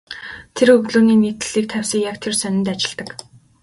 Тэр өглөөний нийтлэлийг тавьсан яг тэр сонинд ажилладаг.